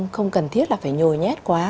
không cần thiết là phải nhồi nhét quá